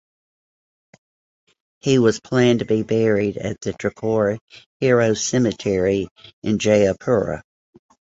He was planned to be buried at the Trikora Heroes Cemetery in Jayapura.